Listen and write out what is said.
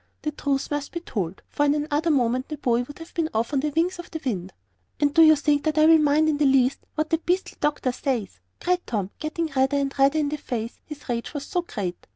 The truth must be told, for in another moment the boy would have been off on the wings of the wind. "And do you think that I will mind in the least what that beastly doctor says?" cried Tom, getting redder and redder in the face, his rage was so great.